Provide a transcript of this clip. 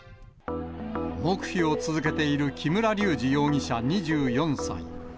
黙秘を続けている木村隆二容疑者２４歳。